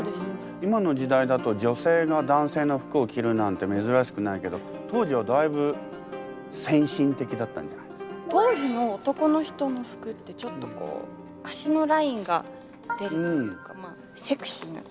今の時代だと女性が男性の服を着るなんて珍しくないけど当時の男の人の服ってちょっとこう足のラインが出るというかまあセクシーな感じ？